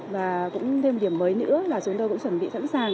và cũng thêm một điểm mới nữa là chúng tôi cũng chuẩn bị sẵn sàng